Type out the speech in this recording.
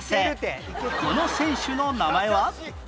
この選手の名前は？